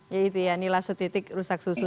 ya itulah setitik rusak susu